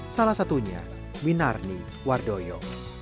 salah satunya winarni wardoyo